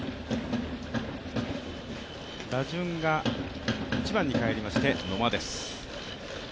打順が１番に帰りまして、野間です。